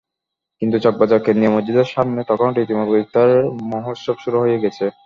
কিন্তু চকবাজার কেন্দ্রীয় মসজিদের সামনে তখন রীতিমতো ইফতারের মহোৎসব শুরু হয়ে গেছে।